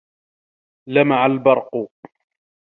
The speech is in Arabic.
لَمَعَ الْبَرْقُ.